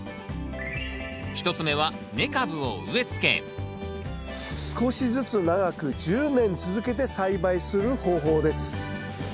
１つ目は根株を植えつけ少しずつ長く１０年続けて栽培する方法です。